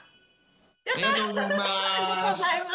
ありがとうございます。